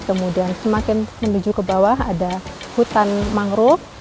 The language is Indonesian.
kemudian semakin menuju ke bawah ada hutan mangrove